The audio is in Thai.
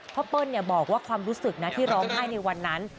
เปิ้ลบอกว่าความรู้สึกนะที่ร้องไห้ในวันนั้น